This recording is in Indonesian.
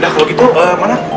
udah kalau gitu mana obatnya sih